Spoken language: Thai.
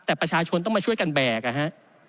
แต่ประชาชนต้องมาช่วยกันแบกนะฮะ